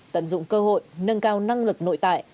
tận dụng cơ hội nâng cao năng lực nội tại